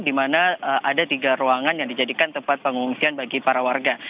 di mana ada tiga ruangan yang dijadikan tempat pengungsian bagi para warga